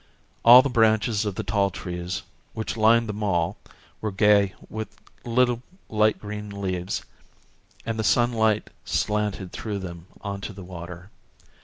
All the branches of the tall trees which lined the mall were gay with little light green leaves and the sunlight slanted through them on to the water.